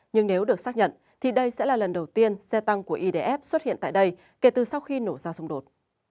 nhưng nếu được xác nhận thì đây sẽ là lần đầu tiên xe tăng của idf xuất hiện tại đây kể từ sau khi nổ ra xung đột